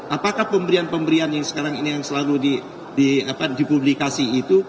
apakah pemberian pemberian yang sekarang ini yang selalu dipublikasi itu